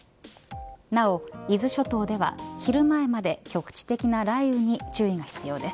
なお、伊豆諸島では昼前まで局地的な雷雨に注意が必要です。